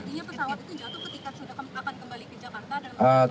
artinya pesawat itu jatuh ketika sudah akan kembali ke jakarta